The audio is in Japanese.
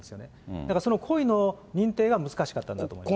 だからその故意の認定が難しかったんだと思います。